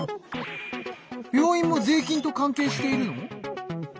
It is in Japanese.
病院も税金と関係しているの？